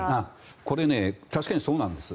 これね確かにそうなんです。